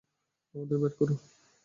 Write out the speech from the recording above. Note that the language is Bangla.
আমাদের বের করো।